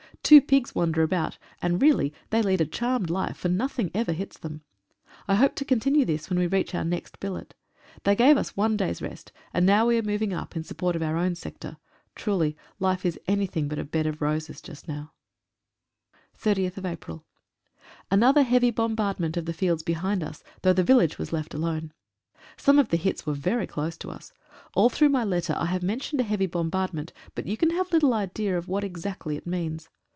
Two pigs wander about, and really they lead a charmed life, for nothing ever hits them. I hope to continue this when we reach our next billet. They gave us one day's rest, and now we are moving up in support of our own sector. Truly life is anything but a bed of roses just now. (11 A HEAVY BOMBARDMENT. 30th April— 9/5/15. ANOTHER heavy bombardment of the fields behind us, though the village was left alone. Some of the hits were very close to us. All through my letter I have mentioned a heavy bombardment, but you can have little idea what it exactly means.